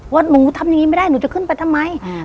ว่าหนูทำอย่างนี้ไม่ได้หนูจะขึ้นไปทำไม